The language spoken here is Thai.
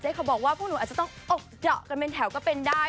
เขาบอกว่าพวกหนูอาจจะต้องอกเจาะกันเป็นแถวก็เป็นได้